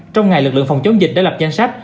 trong ngày lực lượng phòng chống dịch đã lập danh sách